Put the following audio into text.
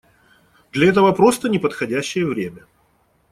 Для этого просто не подходящее время.